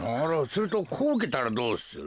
するとこううけたらどうする？